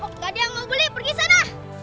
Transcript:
enggak ada yang mau beli pergi sana